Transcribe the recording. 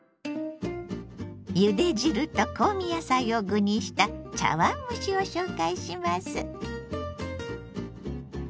ゆで汁と香味野菜を具にした茶碗蒸しを紹介します。